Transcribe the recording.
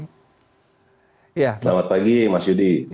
selamat pagi mas yudi